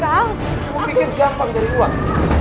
kamu bikin gampang jadi uang